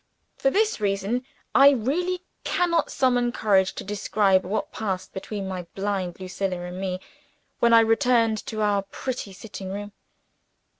For this reason, I really cannot summon courage to describe what passed between my blind Lucilla and me when I returned to our pretty sitting room.